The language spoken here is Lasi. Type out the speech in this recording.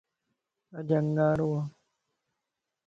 اڄ انڳارو ا